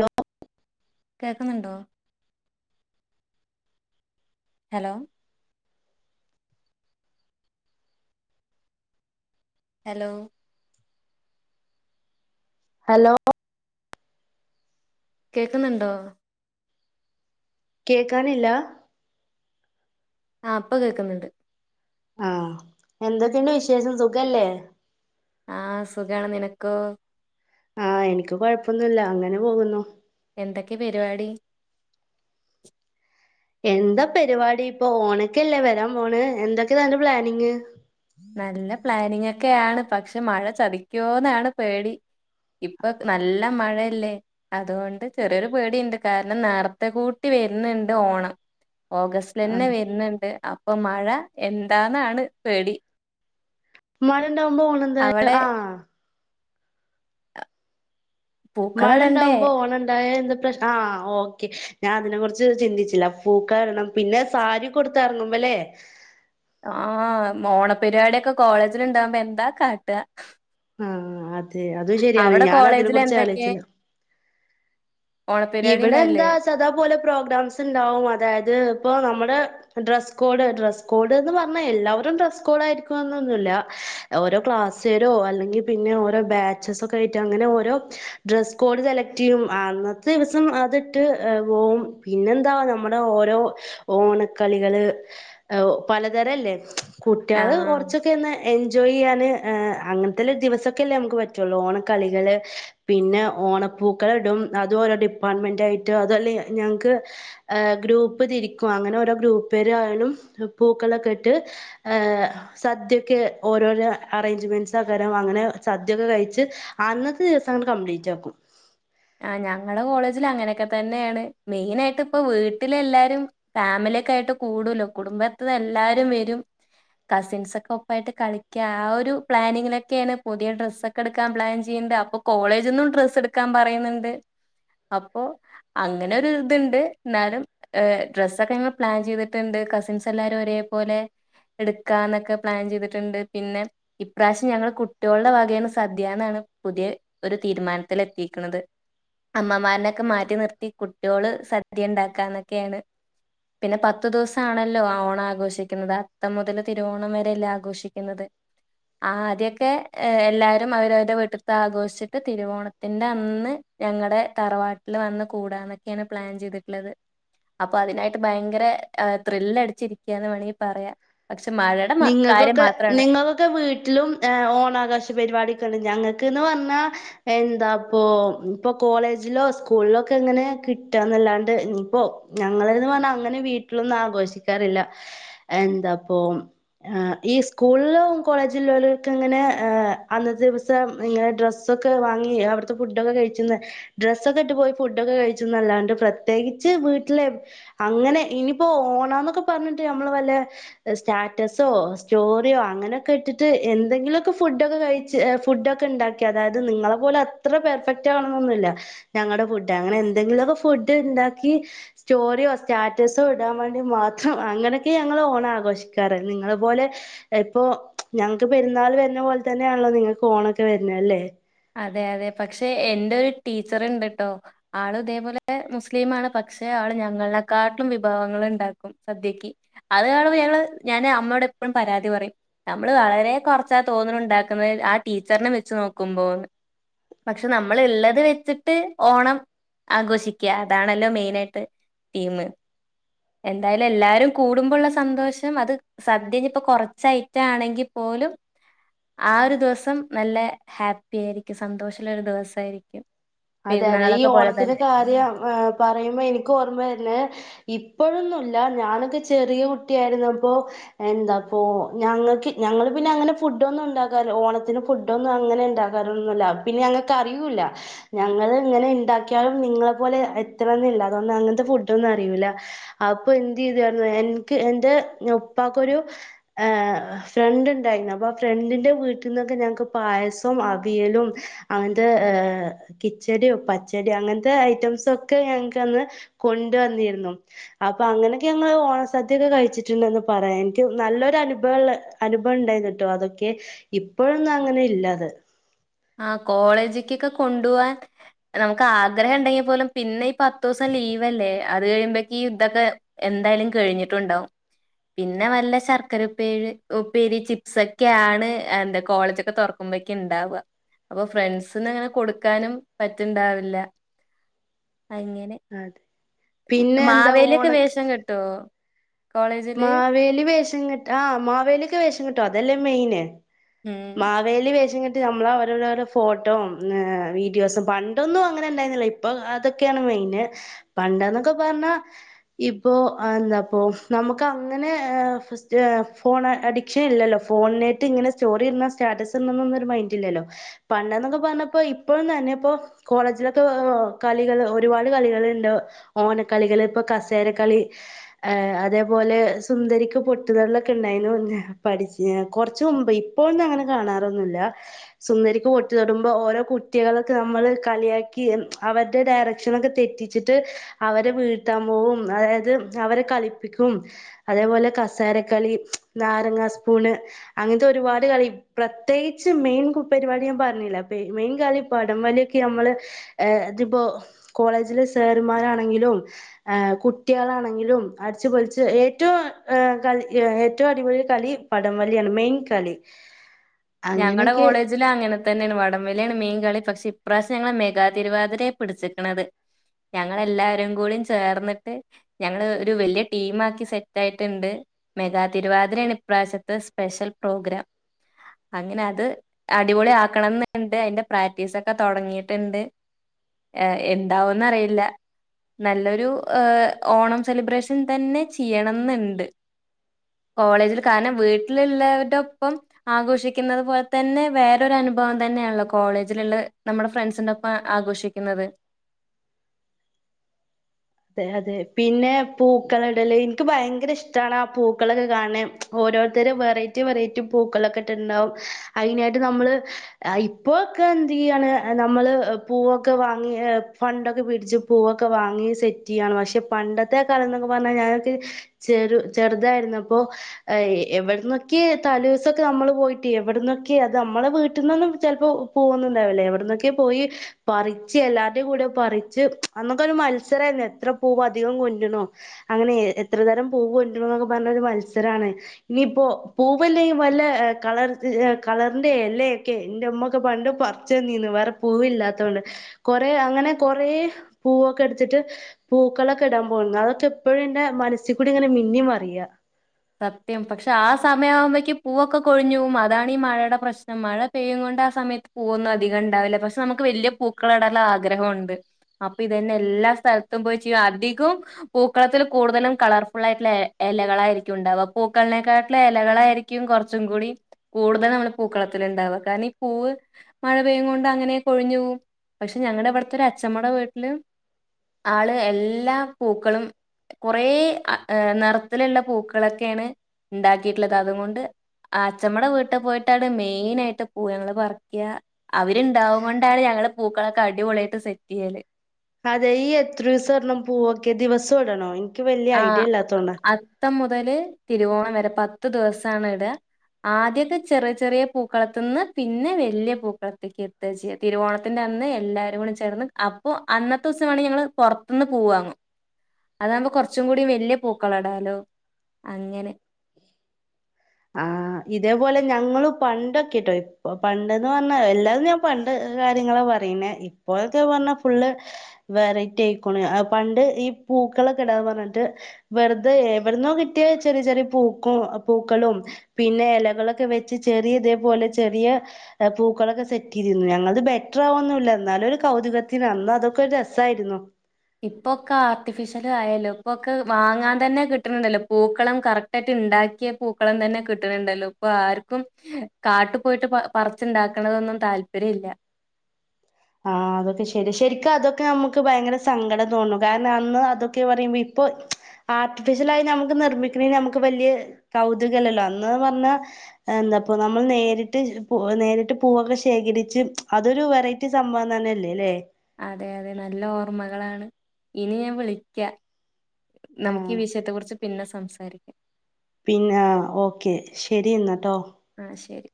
നൊ കേക്കുന്നുണ്ടോ? Hello hello hello കേക്കുന്നുണ്ടോ കേക്കാനില്ല ആ അപ്പ കേക്കുന്നുണ്ട് ആ എന്തൊക്കെയുണ്ട് വിശേഷം സുഖല്ലേ ആ സുഖാണ് നിനക്കോ ആ എനിക്ക് കൊഴപ്പൊന്നുവില്ല അങ്ങനെ പോകുന്നു എന്തൊക്കെ പരിപാടി എന്താ പരിപാടി ഇപ്പൊ ഓണക്കല്ലേ വരാം പോണ് എന്തൊക്കെ നല്ല പ്ലാനിങ് നല്ല പ്ലാനിങ്‌ ഒക്കെയാണ് പക്ഷെ മഴ ചതിക്കോന്നാണ് പേടി ഇപ്പൊ നല്ല മഴയല്ലേ അതുകൊണ്ട് ചെറിയൊരു പേടുണ്ട് കാരണം നേരത്തെ കൂട്ടി വരുന്നുണ്ട് ഓണം ഓഗസ്റ്റിൽന്നെ ആഹ് വരുന്നുണ്ട് അപ്പൊ മഴ എന്താന്നാണ് പേടി മഴ ണ്ടാവുമ്പോ ഓണം ന്താ അവിടെ ആ മഴ പൂക്കളടണ്ടേ ഉണ്ടാവുമ്പോ ഓണം ഉണ്ടായ ന്ത ന്ത ആ ഓകെ ഞാൻ അതിനെ കുറിച്ച് ചിന്തിച്ചില്ല പൂക്ക ഇടണം പിന്നെ സാരി ഒക്കെ ഉടുത്ത് ഇറങ്ങുമ്പോല്ലേ ആ ഓണ പരിപാടി ഒക്കെ കോളേജ്യില് ഉണ്ടാവുമ്പോ എന്താ കഥാ ആ അതും ശെരിയാണ് ഞാൻ അതിനെ കോളേജിൽ കുറിച് എന്തൊക്കെ ആലോചിച്ചില്ല ഓണപരിപാടി ഇവിടെ ഉണ്ടായില്ലേ ന്താ സാധ പോലെ പ്രോഗ്രാംസ് ഉണ്ടാവും അതായത് ഇപ്പൊ നമ്മള് ഡ്രസ്സ്‌ കോഡ് ഡ്രസ്സ്‌ കോഡ് ന്ന് പറഞ്ഞ എല്ലാവരും ഡ്രസ്സ്‌ കോഡ് ആയിരിക്കുവൊന്നും അല്ല ഓരോ ക്ലാസ്സ്‌ കരോ അല്ലെങ്കി പിന്നെ ഓരോ ബാച്ചസ് ഒക്കെ ആയിട്ട് അങ്ങനെ ഓരോ ഡ്രസ്സ്‌ കോഡ് സെലക്ട്‌ ചെയ്യും ദിവസം അതിട്ട് പോകും പിന്നെ ന്താ ഓരോ ഓണക്കളികള് പലതരം ഇല്ലേ. കുട്ട്യള് ആഹ് കുറച്ചൊക്കെ ഒന്ന് എൻജോയ് ചെയ്യാൻ അങ്ങനെതെല്ലെ ദിവസം ഒക്കെ അല്ലേ നമുക്ക് പറ്റുള്ളൂ ഓണ കളികൾ പിന്നെ ഓണപൂക്കളം ഇടും ഡിപ്പാർട്മെന്റ് ആയ്ട്ടൊ അതുവല്ല നങ്ങക്ക് ഗ്രൂപ്പ്‌ തിരിക്കും അങ്ങനെ ഓരോ ഗ്രുപ്പ് കാര് കാണും പൂക്കളം ഒക്കെ ഇട്ട് സദ്യക്കെ ഓരോരോ അറേൻജ്മെന്റസ് അങ്ങനെ സദ്യ ഒക്കെ കഴിച്ച് അന്നത്തെ ദിവസം അങ്ങട്ട് കംപ്ലീറ്റ് ആക്കും ആ ഞങ്ങടെ കോളേജ്ൽ അങ്ങനെക്കെ തന്നെയാണ് മെയിൻ ആയിട്ട് വീട്ടിലെ എല്ലാരും ഫാമിലിക്കെ ആയിട്ട് കൂടുവല്ലോ കുടുംബത്തും എല്ലാരും വരും കസിൻസ് ഒക്കെ ഒപ്പായിട്ട് കളിക്കാം ആ ഒരു പ്ലാനിങ്ലൊക്കെ യാണ്. പുതിയ ഡ്രസ്സ്‌ ഒക്കെ എടുക്കാൻ പ്ലാൻ ചെയ്യണണ്ട്. അപ്പൊ കോളേജ് ഇന്നും ഡ്രസ്സ്‌ എടുക്കാൻ പറയുന്നുണ്ട് ന്നുണ്ട് അപ്പൊ അങ്ങനരു ഇതുണ്ട് എന്നാലും ഡ്രസ്സ്‌ ഒക്കെ ഞങ്ങള് പ്ലാൻ ചെയ്തിട്ടുണ്ട്. എല്ലാരും ഒരേ പോലെ എടുക്കാന്ന് ഒക്കെ പ്ലാൻ ചെയ്തിട്ടുണ്ട്. പിന്നെ ഇപ്രാവശ്യം ഞങ്ങൾ കുട്ട്യോളുടെ വകയാണ് സദ്യന്ന് ആണ് പുതിയ ഒരു തീരുമാനത്തിൽ എത്തിയേക്ക്ന്നത് അമ്മമാരെക്കെ മാറ്റി നിർത്തി കുട്ട്യോള് സദ്യ ഉണ്ടാക്കാന്നക്കെയാണ്. പിന്നെ പത്ത് ദിവസം ആണല്ലോ ഓണാഘോഷി ക്കുന്നത് അത്തം മുതല് തിരുവോണം വരെ അല്ലേ ആഘോഷിക്കുന്നത്. ആദ്യഒക്കെ എല്ലാരും അവരവരുടെ വീട്ടിൽത്ത് ആഘോഷിച്ചിട്ട് തിരുവോണത്തിന്റെ അന്ന് ഞങ്ങടെ തറവാട്ടിൽ വന്ന് കൂടാന്ന് ഒക്കെയാണ് പ്ലാൻ ചെയ്ത്ട്ട്ള്ളത്. അപ്പൊ അതിനായിട്ട് ഭയങ്കര ത്രില്ല് അടിച്ചിരിക്കുവാന്ന് വേണങ്കി പറയാം പക്ഷെ മഴയുടെ മ നിങ്ങക്ക് കാര്യം ഒക്കെ മാത്രമാണ് നിങ്ങക്ക് ഒക്കെ വീട്ടിലും ഏ ഓണാഘോഷ പരിപാടി ഞങ്ങക്ക്ന്ന് പറഞ്ഞാ എന്താപ്പൊ ഇപ്പൊ കോളേജിലോ സ്കൂളിലോക്കെ എങ്ങനെ കിട്ടാന്നല്ലാണ്ട് ഇപ്പോ ഞങ്ങളന്ന് പറഞ്ഞാ അങ്ങനെ വീട്ടിലൊന്നും ആഘോഷിക്കാറില്ല എന്താപ്പൊ ആ ഈ സ്കൂളിലോ കോളേജിലളർക്ക് അങ്ങനെ അന്നെ ദിവസം ഇങ്ങനെ ഡ്രസ്സൊക്കെ വാങ്ങി അവിടുത്തെ ഫുഡൊക്കെ കഴിച്ചന്ന് ഡ്രസ്സൊക്കെ ഇട്ട് പോയി ഫുഡൊക്കെ കഴിച്ചന്നല്ലാണ്ട് പ്രത്യേകിച്ച് വീട്ടിലെ അങ്ങനെ ഇനിയിപ്പോ ഓണന്നൊക്കെ പറഞ്ഞിട്ട് ഞമ്മള് വല്ല സ് സ്റ്ററ്റസോ സ്റ്റോറിയോ അങ്ങനെയൊക്കെ ഇട്ടിട്ട് എന്തെങ്കിലുമൊക്കെ ഫുഡൊക്കെ കഴിച്ച് ഫുഡൊക്കെ ഉണ്ടാക്കി അതായത് നിങ്ങളെ പോലെ അത്ര പെർഫെക്റ്റ് ആകണെന്നൊന്നുമല്ല ഞങ്ങളുടെ ഫുഡ് അങ്ങനെ എന്തെങ്കിലുമൊക്കെ ഫുഡ് ഉണ്ടാക്കി സ്റ്റോറിയോ സ്റ്റാറ്റസോ ഇടാൻ വേണ്ടി മാത്രം അങ്ങനെയൊക്കെ ഞങ്ങൾ ഓണ ആഘോഷിക്ക ക്കാറ് നിങ്ങളെ പോലെ ഇപ്പൊ ഞങ്ങക്ക് പെരുന്നാൾ വരുന്ന പോലെ തന്നെയാണല്ലോ നിങ്ങക്ക് ഓണൊക്കെ വരുന്ന അല്ലേ അതെ അതെ പക്ഷെ എന്റെ ഒരു ടീച്ചർണ്ട് കേട്ടോ ആൾ ഇതേപോലെ മുസ്ലീമാണ് പക്ഷെ ആള് ഞങ്ങളെക്കാട്ടിലും വിഭവങ്ങൾ ഉണ്ടാക്കും സദ്യക്ക് അത്കാണുമ്പോ ഞങ്ങൾ ഞാന് അമ്മോട് എപ്പോഴും പരാതി പറയും നമ്മൾ വളരെ കൊറച്ചാ തോന്നുണുണ്ടാക്കുന്നത് ആ ടീച്ചറിനെ വെച്ച് നോക്കുമ്പോ ന്ന് പക്ഷെ നമ്മൾ ഇള്ളത് വെച്ചിട്ട് ഓണം ആഘോഷിക്കുക അതാണല്ലോ മെയിന ആയിട്ട് തീമ് എന്തായാലും എല്ലാരും കൂടുമ്പോള്ള സന്തോഷം അത് സദ്യ ഇപ്പോ കൊറച്ച് ഐറ്റം ആണെങ്കിൽ പോലും ആ ഒരു ദിവസം നല്ല ഹാപ്പി പ്പി ആയിരിക്കും സന്തോഷമുള്ള ഒരു ദിവസമായിരിക്കും അതെ അതെ ഈ ഓണത്തിന്റെ കാര്യം ഏ പറയുമ്പോ എനിക്ക് ഓർമ്മാവരുന്നേ ഇപ്പോഴൊന്നുല്ല ഞാനൊക്കെ ചെറിയ കുട്ടിയായിരുന്നപ്പോ എന്താപ്പൊ ഞങ്ങൾക്ക് ഞങ്ങള് പിന്നെ അങ്ങനെ ഫുഡ് ഒന്നും ഉണ്ടാക്കാറില്ല ഓണത്തിന് ഫുഡൊന്നും അങ്ങനെ ഉണ്ടാക്കാറൊന്നുമല്ല പിന്നെ ഞങ്ങക്ക് അറിയൂല്ല ഞങ്ങള് ഇങ്ങനെ ഇണ്ടാക്കിയാലും നിങ്ങളെ പോലെ എത്തണന്നില്ല അതൊണ്ട് അങ്ങനത്തെ ഫുഡൊന്നും അറിയൂല്ല അപ്പൊ എന്ത് ചെയ്തരുന്നു എനിക്ക് എന്റെ ഉപ്പാക്കൊരു ഫ്രണ്ട് ഉണ്ടായിരുന്നു അപ്പൊ ആ ഫ്രണ്ടിന്റെ വീട്ടിന്നൊക്കെ ഞങ്ങക്ക് പായസൊം അവിയലും അങ്ങനത്ത കിച്ചടിയോ പച്ചടിയോ അങ്ങനത്തെ ഐറ്റംസ് ഒക്കെ ഞങ്ങക്ക് അന്ന് കൊണ്ട് വന്നിരുന്നു അപ്പൊ അങ്ങനെയൊക്കെ ഞങ്ങള് ഓണസദ്യൊക്കെ കഴിച്ചിട്ടുണ്ടന്ന് പറയാൻ എനിക്ക് നല്ലൊരു അനുഭവള്ള അനുഭവം ഉണ്ടായിന്ന കേട്ടോ അതൊക്കെ ഇപ്പോഴൊന്നും അങ്ങനെ ഇല്ലാത് ആ കോളേജക്കൊക്കെ കൊണ്ടുവാൻ നമുക്ക് ആഗ്രഹം ഉണ്ടെങ്കിൽ പോലും പിന്നെ ഈ പത്തു ദിവസം ലീവലേ അത് കഴിയുമ്പക്ക് ഇതൊക്കെ എന്തായാലും കഴിഞ്ഞിട്ടുണ്ടാവും പിന്നെ വല്ല ശർക്കര ഉപ്പേ ഉപ്പേരി ചിപ്സ് ഒക്കെയ ആണ് എന്താ കോളേജൊക്കെ തുറക്കുമ്പോക്കും ഉണ്ടാവുക അപ്പൊ ഫ്രണ്ട്സിന്ന് അങ്ങനെ കൊടുക്കാനും പറ്റ്ണ്ടാവില്ല അങ്ങനെ അതെ പിന്നെ എന്താ മാവേലിഒക്കെ ഓണക്ക് വേഷം കെട്ടുവോ മാവേലി വേഷങ്കെട്ട് ആ മാവേലി ഒക്കെ വേഷങ്കെ ട്ടൊ അതല്ലെ മെയ്ന്. ഉം മാവേലി വേഷം കെട്ട് നമ്മളെ ഓരോരോരോ ഫോട്ടോം വീഡിയോസും പണ്ടൊന്നും അങ്ങനെ ഇണ്ടായിരുന്നില്ല ഇപ്പൊ അതൊക്കെയാണ് മെയിന് പണ്ടന്നൊക്കെ പറഞ്ഞാ ഇപ്പോ എന്താപ്പൊ. നമ്മക്ക് അങ്ങനെ ഏ ഫസ്റ്റ് ഫോൺ അഡിക്ഷൻ ഇല്ലല്ലോ. ഫോണ്നെയിട്ട് ഇങ്ങനെ സ്റ്റോറിടണം സ്റ്റാറ്റസ് ഇടണെന്നൊന്നും ഒരു മൈന്റ് ഇല്ലല്ലോ പണ്ടേന്നൊക്കെ പറഞ്ഞ ഇപ്പ ഇപ്പോഴും തന്നെ ഇപ്പോ കോളേജിലൊക്കെ വോ കളികൾ ഒരുപാട് കളികള്ണ്ട്. ഓണക്കളികൾ ഇപ്പ കസേര കളി ഏ അതേ അതുപോലെ സുന്ദരിക്ക് പൊട്ട് തൊടലൊക്കെ ഉണ്ടായിരുന്നു പഠിച്ച് കുറച്ച് മുമ്പ് ഇപ്പോഴൊന്നും അങ്ങനെ കാണാറൊന്നുമില്ല സുന്ദരിക്ക് പൊട്ടുതൊടുമ്പോ ഓരോ കുട്ടികളൊക്കെ നമ്മള് കളിയാക്കി അവരുടെ ഡയറക്ഷനൊക്കെ തെറ്റിച്ചിട്ട് അവരെ വീഴ്ത്താൻ പോവും അതായത് അവരെ കളിപ്പിക്കും. [unintelligible] അതേപോലെ കസേരക്കളി, നാരങ്ങാസ്പൂണ്, അങ്ങനത്തെ ഒരുപാട് കളി പ്രത്യേകിച്ച് മെയിൻ പരിപാടി ഞാൻ പറഞ്ഞില്ല മെയിൻ കളി വടംവലിയൊക്കെ നമ്മള് ഇതിപ്പോ കോളേജിലെ സാർമാരാണെങ്കിലും കുട്ട്യേളാണെങ്കിലും ആ അടിച്ച്പൊളിച്ച് ഏറ്റവും ഏ കളി ഏറ്റവും അടിപൊളി കളി വടംവലിയാണ് മെയിൻ കളി. ഞങ്ങടെ അങ്ങനെയൊക്കെ കോളേജില് അങ്ങനെ. തന്നെയാണ് വടംവലിയാണ് മെയിൻകളി പക്ഷെ ഇപ്രാശ്യം ഞങ്ങള് മെഗാ തിരുവാതിരയെ പിടിച്ചിക്കണത് ഞങ്ങളെല്ലാരും കൂടെ ചേർന്നിട്ട് ഞങ്ങള് ഒരു വല്യ ടീം ആക്കി സെറ്റായിട്ടുണ്ട് മെഗാ തിരുവാതിരയാണ് ഇപ്രാവശ്യത്തെ സ്പെഷ്യൽ പ്രോഗ്രാം. അങ്ങനെ അത് അടിപൊളി ആക്കണം ന്ന്ണ്ട് അയിന്റെ പ്രാക്ടീസൊക്കെ തൊടങ്ങിട്ട്ണ്ട് എ എന്താവോന്ന് അറിയില്ല. നല്ലൊരു ഓണം സെലിബ്രേഷൻ തന്നെ ചെയ്യണംന്ന്ണ്ട് കോളേജില്. കാരണം വീട്ടിലുള്ളവര്ടൊപ്പം ആഘോഷി നിക്കുന്നത് പോലെ തന്നെ വേറൊരനുഭവം തന്നെയാണല്ലോ കോളേജിലുള്ള നമ്മുടെ ഫ്രണ്ട്സിന്റെ ഒപ്പം ആഘോഷിക്കുന്നത്. അതെ അതെ പിന്നെ പൂക്കളിടല് എനിക്ക് ഭയങ്കര ഇഷ്ടാണ് ആ പൂക്കളൊക്കെ കാണണേ ഓരോരുത്തര് വെറൈറ്റി വെറൈറ്റി പൂക്കളൊക്കെ ഇട്ടുണ്ടാവും അയിനായിട്ട് നമ്മള് ഇപ്പോക്കെ എന്ത് ചെയ്യാണ് നമ്മള് പൂവൊക്കെ വാങ്ങി ഫണ്ടൊക്കെ പിടിച്ച് പൂവൊക്കെ വാങ്ങി സെറ്റ്. റ്റി യാണ് പക്ഷെ പണ്ടത്തെ കാലം എന്നൊക്കെ പറഞ്ഞാ ഞാനൊ ചെറുതായിരുന്ന പ്പോഎവിടുന്നൊക്കെ തലൂസൊക്കെ നമ്മള് പോയിട്ട്. എവിടുന്നൊക്കെ അത് നമ്മളെ വീട്ടിൽന്നൊന്നും ചെ ലപ്പോ പോകുന്നുണ്ടാവൂല. എവിടുന്നൊക്കെ പോയി പറി ച്ച്. എല്ലാരികുടിം കൂടെ പറിച്ച് അന്നൊക്കെ ഒരു മത്സരേ ന്ന്. ഇത്ര പൂവ് അധികം കൊട് ണോ അങ്ങനെ എത്രതരം പൂവ് കൊണ്ടണോ എന്നൊക്കെ പറഞ്ഞ ഒരു മത്സരാണ്. ഇനിയിപ്പോ പൂവല്ലെ വല്ല കളർ കളറിന്റെ എലക്കെ എന്റെ ഉമ്മൊക്കെ പണ്ട് പറിച്ച് തനീന്ന്. വേറെ പൂവ് ഇല്ലാത്ത കൊണ്ട്. കൊറ അങ്ങനെ കൊറെ പൂവൊക്കെ എടുത്തിട്ട്. പൂക്കളൊക്കെ ഇടാൻ പോകുന്ന. അതൊക്കെപ്പൊഴും. എന്റെ മനസ്സിൽ കൂടി ഇങ്ങനെ മിന്നി മറിയ. സത്യം പക്ഷെ ആ സമയാവുമ്പഴേക്ക് പൂവൊക്കെ കൊഴിഞ്ഞു പോവും അതാണ് ഈ മഴെടെ പ്രശ്നം മഴ പെയ്യും കൊണ്ട് ആ സമയത്ത് പൂവൊന്നും അധികം ഉണ്ടാവില്ല പക്ഷെ നമുക്ക് വലിയ പൂക്കളം ഇടാനുള്ള ആഗ്രഹൊണ്ട് അപ്പൊ ഇത് തന്നെ എല്ലാ സ്ഥലത്തും പോയി ചെയ്യും അധികവും പൂക്കളത്തിൽ കൂടുതലും കളർഫുൾ ആയിട്ടുള്ള എ എലകളായിരി [unintelligible] ഉണ്ടാവ പൂക്കളിനെക്കാട്ടില് എലകളായിരിക്കും കൊറച്ചും കൂടി കൂടുതൽ നമ്മൾ പൂക്കളത്തിലുണ്ടാവ കാരണം ഈ പൂവ് മഴ പെയ്യും കൊണ്ട് അങ്ങനെ കൊഴിഞ്ഞു പോവും പക്ഷെ ഞങ്ങടെ ഇവിടുത്തെ ഒരു അച്ഛമ്മടെ വീട്ടില് ആള് എല്ലാ പൂക്കളും കുറേ നിറത്തിലുള്ള പൂക്ക പൂക്കളൊക്കെണ് ഇ ണ്ടാക്കിയിട്ടുള്ളത്. അതുകൊണ്ട് അച്മ്മടെ വീട്ട് പോയിട്ടാണ്. മെയിൻ ആയിട്ട് പൂയങ്ങള് പറിക്ക. അവര്ണ്ടാവു കൊണ്ടാണ്. ഞങ്ങളുടെ പൂക്കളൊക്കെ. അടിപൊളിയിട്ട് സെറ്റ് ചെയ്യല്. അതെ ഈ എത്രു സടണം പൂവൊക്കെ ദിവസം ഇടണോ? വലിയ ആ ഐഡിയ ഇല്ലാത്തോണ്ടാ അത്തം മുതല് തിരുവോണം വരെ. പത്ത് ദിവസാണ് ഇട ആദ്യൊക്കെ ചെറി ചെറിയ പൂക്കളത്തുന്ന് പിന്നെ വല്യ പൂക്കളത്തേക്ക് എത്ത ചെയ്യ തിരുവോണത്തിന്റെ അന്ന് എല്ലാരും കൂടി ചേർന്ന് അപ്പൊ അന്നത്തെ ദിവസം വാണങ്കി ഞങ്ങള് പുറത്തുന്ന് പൂവ്ങ്ങും. അതാവുമ്പ കൊറച്ചും കൂടി വല്യ പൂക്കളം ഇടാലോ അങ്ങനെ ആ ഇതേപോലെ ഞങ്ങള് പണ്ടൊക്കെട്ടോ ഇപ്പ പണ്ടന്ന് പറഞ്ഞാ എല്ലാവരും. ഞാൻ പണ്ട് കാര്യങ്ങളെ പറയുന്നെ ഇപ്പോഴൊക്കെ പറഞ്ഞ ഫുള്ള് വെറൈറ്റി അയ് ക്കുണ്. പണ്ട് ഈ പൂക്കളൊക്കെ ഇടാന്ന് പറഞ്ഞിട്ട്. വെറുതെ എവിടന്ന കിട്ടിയ ചെറിയ ചെറിയ പൂക്കും പൂക്കളും. പിന്നെ ഇലകളൊക്കെ വെച്ച് ചെറിയ ഇതേപോലെ ചെറിയ പൂക്കളൊക്കെ സെറ്റ് ചയിദീന്ന്. ഞങ്ങളത് ബെറ്റർ വൊന്നുമില്ല എന്നാലും ഒരു കൗതുകത്തിന്. അന്ന് അതൊക്കെ രസാ യിരുന്നു. ഇപ്പൊക്കെ ആർട്ടിഫിഷ്യല് ആയല്ലോ ഇപ്പൊക്കെ വാങ്ങാൻ തന്നെ കിട്ടണ്ണ്ടല്ലോ പൂക്കളം കറക്റ്റ് ആയിട്ട് ഇണ്ടാക്കിയ പൂക്കളം തന്നെ കിട്ട്ണ് ണ്ടല്ലോ ഇപ്പൊ ആർക്കും കാട്ടി പോയിട്ട് പ പറിച്ചു ഇണ്ടാക്കണത് ഒന്നും താല്പര്യല്ല ആ അതൊക്കെ ശരി ശരിക്ക അതൊക്കെ നമുക്ക് ഭയങ്കര സങ്കടം തോന്നും. കാരണം അന്ന് അതൊക്കെ പറയുമ്പോ ഇപ്പൊ ആർട്ടിഫിഷ്യൽ ആയി. നമുക്ക് നിർമ്മിക്കണന്. നമുക്ക് വലിയ കൗതുകല്ലല്ലോ. അന്ന്ന്ന് പറഞ്ഞാ എന്താപ്പ നമ്മൾ നേരിട്ട് നേരിട്ട് പൂവൊക്കെ ശേഖരിച്ച്. അതൊരു വെറൈറ്റി. [unintelligible] സംഭവം തന്നല്ലേ ലെ അതെ അതെ നല്ല ഓർമ്മകളാണ് ഇനി ഞാൻ വിളിക്ക നമുക്ക് ഈ ആഹ് വിഷയത്തെ കുറിച്ച് പിന്നെ സ സംസാരിക്കാം പിന്നെ ഓക്കെ ശരി എന്നട്ടോ. ആഹ് ശരി